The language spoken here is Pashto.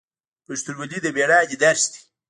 پښتونولي د میړانې درس دی.